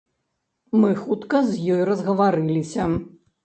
Мы хутка з ёй разгаварыліся.